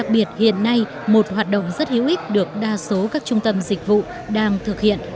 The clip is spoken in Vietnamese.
hiện nay một hoạt động rất hữu ích được đa số các trung tâm dịch vụ đang thực hiện